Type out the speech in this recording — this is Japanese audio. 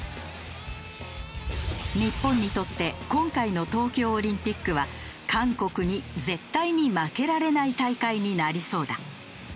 日本にとって今回の東京オリンピックは韓国に絶対に負けられない大会になりそうだ。